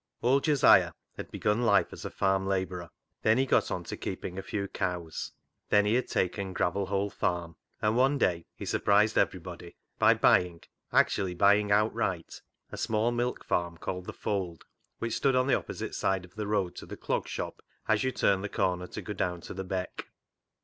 Old Josiah had begun life as a farm labourer. Then he got on to keeping a few cows. Then he had taken Gravel Hole farm, and one day he 6o CLOG SHOP CHRONICLES surprised everybody by buying — actually buy ing outright — a small milk farm called the Fold, which stood on the opposite side of the road to the Clog Shop as you turned the corner to go down to the Beck.